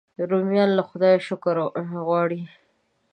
رومیان له خدایه شکر غواړي